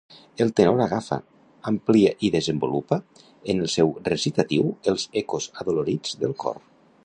El tenor agafa, amplia i desenvolupa, en el seu recitatiu, els ecos adolorits del cor.